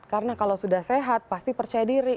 karena kalau sudah sehat pasti percaya diri